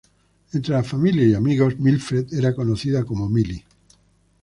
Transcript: Entre la familia y amigos, Mildred era conocida como Millie.